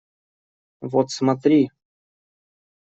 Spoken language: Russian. Вот смотри!